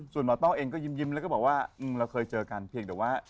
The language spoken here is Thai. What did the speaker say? ส่วนหมอต้องเองก็ยิ้มแล้วก็บอกว่าเราเคยเจอกันเพียงแต่ว่า